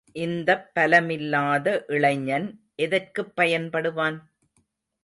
இந்தப் பலமில்லாத இளைஞன் எதற்குப் பயன் படுவான்?